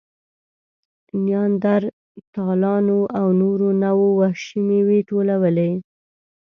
نیاندرتالانو او نورو نوعو وحشي مېوې ټولولې.